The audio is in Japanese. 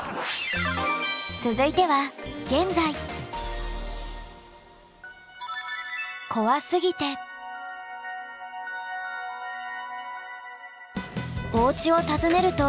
続いてはおうちを訪ねると。